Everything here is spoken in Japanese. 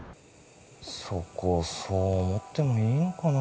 そこそう思ってもいいのかな